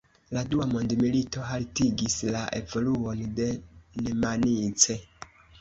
La dua mondmilito haltigis la evoluon de Nemanice.